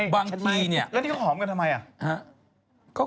บางทีเนี่ยแล้วนี่เขาหอมกันทำไมอ่ะ